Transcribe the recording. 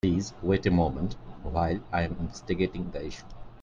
Please wait a moment while I am investigating the issue.